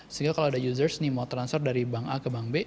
sehingga kalau ada users nih mau transfer dari bank a ke bank b